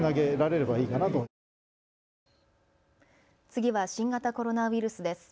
次は新型コロナウイルスです。